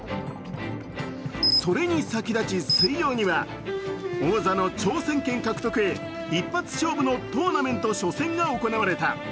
それに先立ち、水曜には王座の挑戦権獲得へ一発勝負のトーナメント初戦が行われた。